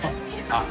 あっ！